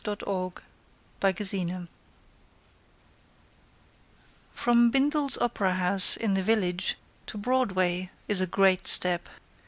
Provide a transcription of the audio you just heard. Flossie Cabanis From Bindle's opera house in the village To Broadway is a great step.